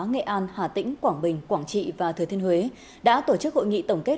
nghệ an hà tĩnh quảng bình quảng trị và thừa thiên huế đã tổ chức hội nghị tổng kết